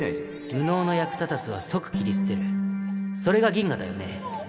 無能の役立たずは即切り捨それがギンガだよね